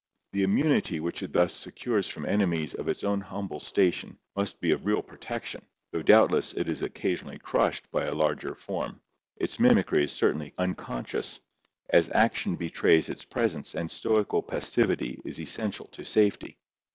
The immunity which it thus secures from enemies of its own humble station must be of real protection, though doubt less it is occasionally crushed by a larger form. Its mimicry is certainly unconscious, as action betrays its presence and stoical passivity is essential to safety.